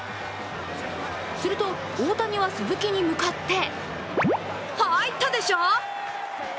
すると大谷は鈴木に向かって、入ったでしょ！